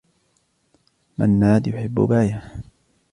منّاد يحبّ باية.